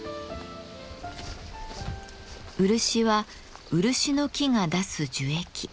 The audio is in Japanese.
漆は漆の木が出す樹液。